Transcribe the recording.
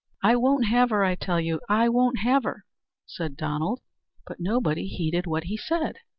"I won't have her, I tell you; I won't have her!" said Donald. But nobody heeded what he said.